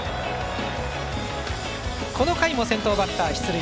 この回も先頭バッター、出塁。